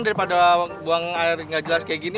daripada buang air nggak jelas kayak gini